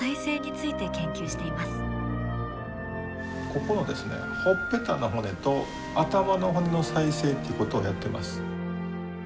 ここのほっぺたの骨と頭の骨の再生ってことをやっています。